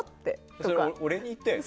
それ俺に言ったよね。